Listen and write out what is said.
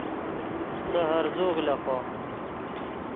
سے ہرزوغ لیخو